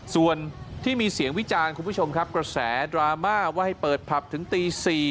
ส่วนที่มีเสียงวิจารณ์คุณผู้ชมครับกระแสดราม่าว่าให้เปิดผับถึงตี๔